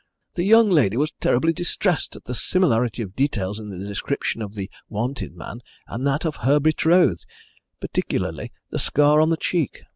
The young lady was terribly distressed at the similarity of details in the description of the wanted man and that of her betrothed, particularly the scar on the cheek.